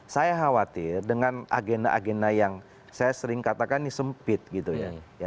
saya khawatir dengan agenda agenda yang saya sering katakan ini sempit gitu ya